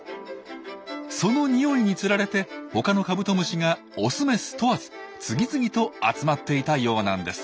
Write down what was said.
その匂いにつられて他のカブトムシがオスメス問わず次々と集まっていたようなんです。